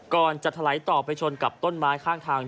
ก่อนจะถลายต่อไปชนกับต้นไม้ข้างทาง